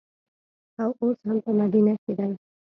او اوس هم په مدینه کې دي.